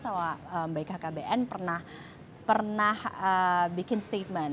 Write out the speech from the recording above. sama bkkbn pernah bikin statement